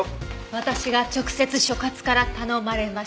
私が直接所轄から頼まれました。